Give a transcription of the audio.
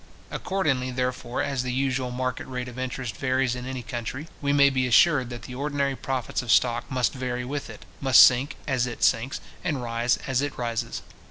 Accordingly, therefore, as the usual market rate of interest varies in any country, we may be assured that the ordinary profits of stock must vary with it, must sink as it sinks, and rise as it rises.